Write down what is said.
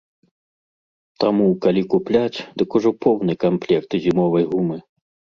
Таму, калі купляць, дык ужо поўны камплект зімовай гумы.